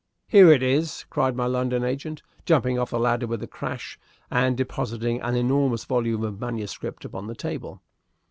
"Here it is!" cried my London agent, jumping off the ladder with a crash, and depositing an enormous volume of manuscript upon the table.